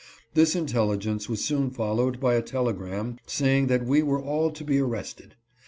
This intelligence was soon followed by a telegram saying that we were all to be arrested.